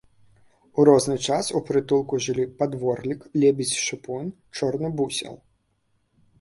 У розны час у прытулку жылі падворлік, лебедзь-шыпун, чорны бусел.